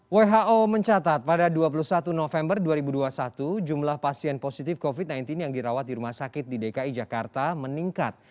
who mencatat pada dua puluh satu november dua ribu dua puluh satu jumlah pasien positif covid sembilan belas yang dirawat di rumah sakit di dki jakarta meningkat